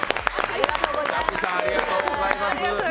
ありがとうございます。